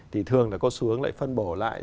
thì thường là có xuống lại phân bổ lại